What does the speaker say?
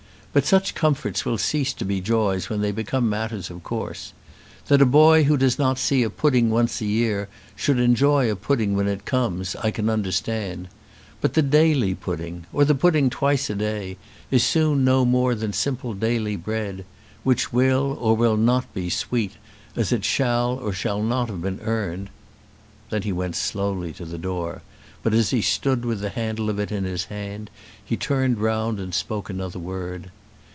But such comforts will cease to be joys when they become matters of course. That a boy who does not see a pudding once a year should enjoy a pudding when it comes I can understand; but the daily pudding, or the pudding twice a day, is soon no more than simple daily bread, which will or will not be sweet as it shall or shall not have been earned." Then he went slowly to the door, but, as he stood with the handle of it in his hand, he turned round and spoke another word.